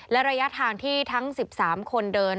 และระยะทางที่ทั้ง๑๓คนเดิน